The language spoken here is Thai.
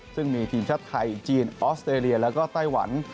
ซึ่งมีทีมชาติไทยจีนออสเตรเลียแล้วก็ไต้หวัน